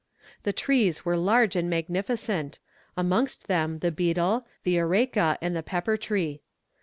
The trees were large and magnificent, amongst them the betel, the areca, and the pepper tree.